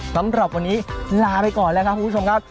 สำหรับวันนี้ลาไปก่อนแล้วครับคุณผู้ชมครับ